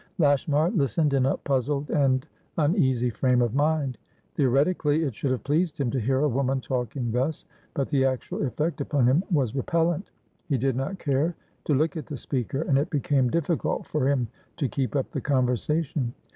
Lashmar listened in a puzzled and uneasy frame of mind. Theoretically, it should have pleased him to hear a woman talking thus, but the actual effect upon him was repellent. He did not care to look at the speaker, and it became difficult for him to keep up the conversation.